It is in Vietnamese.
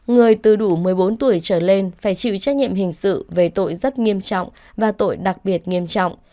người từ đủ một mươi bốn tuổi trở lên phải chịu trách nhiệm hình sự về tội rất nghiêm trọng và tội đặc biệt nghiêm trọng